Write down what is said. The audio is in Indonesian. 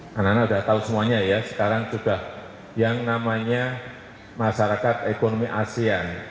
karena anda sudah tahu semuanya ya sekarang sudah yang namanya masyarakat ekonomi asean